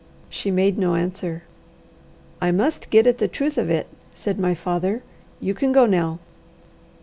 She made no answer. "I must get at the truth of it," said my father. "You can go now."